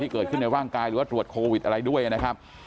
เกิดขึ้นในร่างกายหรือว่าตรวจโควิดอะไรด้วยนะครับ